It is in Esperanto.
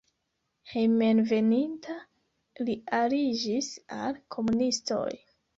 Hejmenveninta li aliĝis al komunistoj.